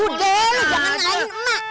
udah lo jangan lain mak